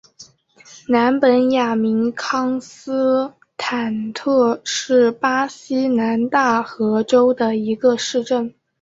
南本雅明康斯坦特是巴西南大河州的一个市镇。